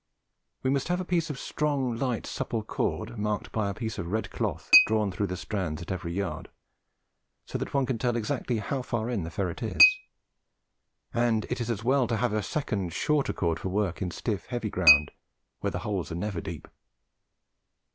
We must have a piece of strong light supple cord, marked by a piece of red cloth drawn through the strands at every yard, so that one can tell exactly how far in the ferret is; and it is as well to have a second shorter cord for work in stiff heavy ground, where the holes are never deep.